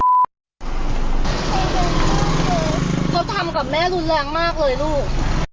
เขาทำกับแม่รุนแรงมากเลยลูก